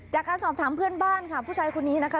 จากการสอบถามเพื่อนบ้านค่ะผู้ชายคนนี้นะคะ